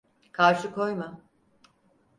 Karşı koyma.